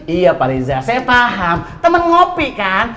iya pak riza saya paham teman ngopi kan